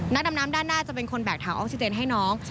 นักดำน้ำด้านหน้าจะเป็นคนแบกถังออกซิเจนให้น้อง